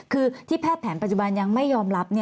คือที่แพทย์แผนปัจจุบันยังไม่ยอมรับ